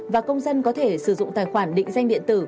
và công dân có thể sử dụng tài khoản định danh điện tử